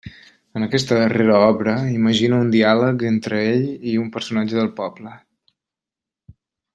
En aquesta darrera obra imagina un diàleg entre ell i un personatge del poble.